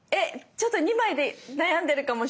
ちょっと２枚で悩んでるかもしれない。